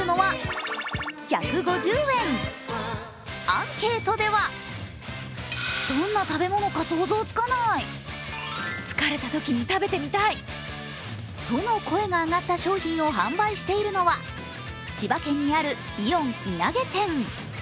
アンケートではとの声が上がった商品を販売しているのは千葉県にあるイオン稲毛店。